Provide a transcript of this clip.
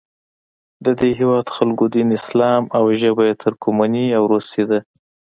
د دې هیواد خلکو دین اسلام او ژبه یې ترکمني او روسي ده.